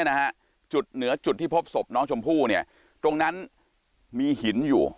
นะฮะจุดเหนือจุดที่พบศพน้องชมพู่เนี่ยตรงนั้นมีหินอยู่